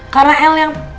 karena el yang